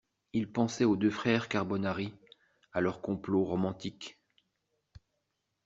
Il pensait aux deux frères carbonari, à leurs complots romantiques.